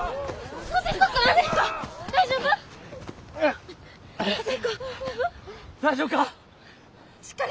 大丈夫か？